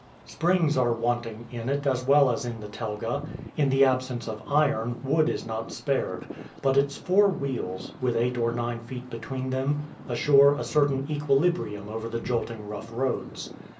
Springs are wanting in it as well as in the telga; in the absence of iron, wood is not spared; but its four wheels, with eight or nine feet between them, assure a certain equilibrium over the jolting rough roads.